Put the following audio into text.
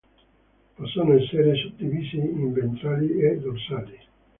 Possono essere suddivisi in ventrali e dorsali.